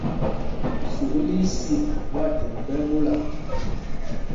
Sukúl í í sî, ɓwâthɛmb ɓɛ́ ɛ́ ɓola.